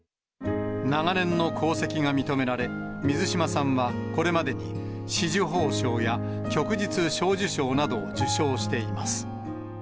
長年の功績が認められ、水島さんはこれまでに、紫綬褒章や旭日小綬章などを受章しています。